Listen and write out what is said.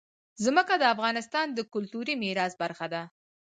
ځمکه د افغانستان د کلتوري میراث برخه ده.